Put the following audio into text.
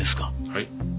はい？